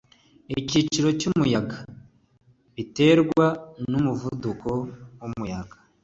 icyiciro cyumuyaga biterwa numuvuduko wumuyaga